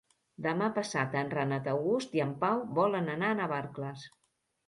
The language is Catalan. Demà passat en Renat August i en Pau volen anar a Navarcles.